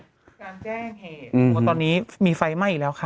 การแจ้งเหตุตอนนี้มีไฟไหม้อีกแล้วค่ะ